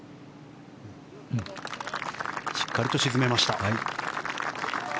しっかりと沈めました。